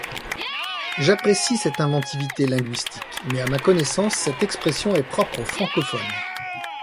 J’apprécie cette inventivité linguistique mais, à ma connaissance, cette expression est propre aux francophones.